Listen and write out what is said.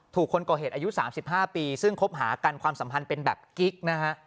คนก่อเหตุอายุ๓๕ปีซึ่งคบหากันความสัมพันธ์เป็นแบบกิ๊กนะฮะ